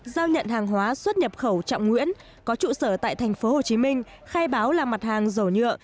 giao nhận hàng hóa xuất nhập khẩu trọng nguyễn có trụ sở tại tp hcm khai báo là mặt hàng dầu nhựa